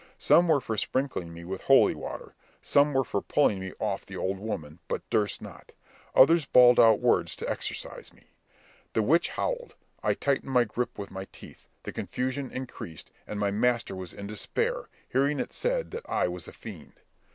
Some were for sprinkling me with holy water, some were for pulling me off the old woman, but durst not; others bawled out words to exorcise me. The witch howled, I tightened my grip with my teeth, the confusion increased, and my master was in despair, hearing it said that I was a fiend.